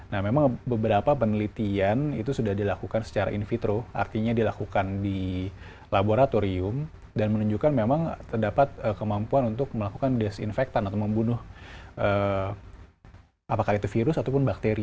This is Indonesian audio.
nah memang beberapa penelitian itu sudah dilakukan secara in vitro artinya dilakukan di laboratorium dan menunjukkan memang terdapat kemampuan untuk melakukan desinfektan atau membunuh apakah itu virus ataupun bakteri